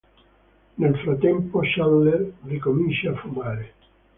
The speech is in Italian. Nel frattempo Chandler ricomincia a fumare.